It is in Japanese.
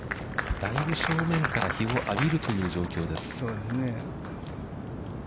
だいぶん正面から日を浴びるという状況です。